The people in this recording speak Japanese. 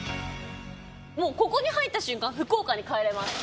もうここに入った瞬間福岡に帰れます。